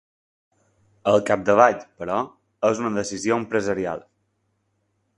Al capdavall, però, és una decisió empresarial.